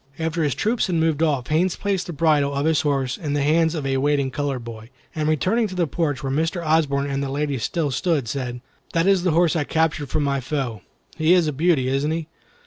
After his troop had moved off, Haines placed the bridle of his horse in the hands of a waiting colored boy, and returning to the porch where Mr. Osborne and the ladies still stood, said: "That is the horse I captured from my foe. He is a beauty, isn't he?